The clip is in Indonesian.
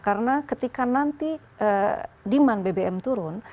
karena ketika nanti demand bbm turun